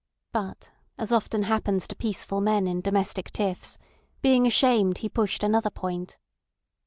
But as often happens to peaceful men in domestic tiffs, being ashamed he pushed another point.